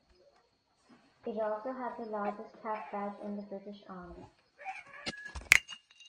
It also had the largest cap badge in the British Army.